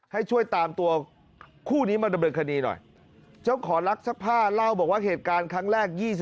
ให้ช่วยตามตัวคู่นี้มาดำเนินคดีหน่อยเจ้าของลักซักผ้าเล่าบอกว่าเหตุการณ์ครั้งแรก